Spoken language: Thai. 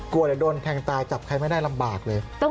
กลัวเดี๋ยวโดนแทงตายจับใครไม่ได้ลำบากเลย